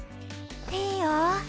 いいよ！